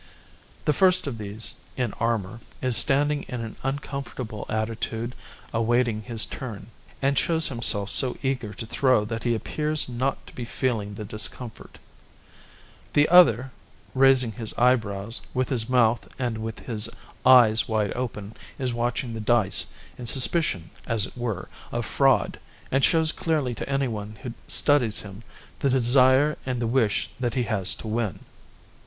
The first of these, in armour, is standing in an uncomfortable attitude awaiting his turn, and shows himself so eager to throw that he appears not to be feeling the discomfort; the other, raising his eyebrows, with his mouth and with his eyes wide open, is watching the dice, in suspicion, as it were, of fraud, and shows clearly to anyone who studies him the desire and the wish that he has to win.